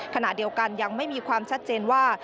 ขณะเดียวกันยังไม่มีความชัดเจนว่า